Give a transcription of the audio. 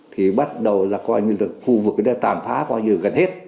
thì bắt đầu là coi như là khu vực đã tàn phá gần hết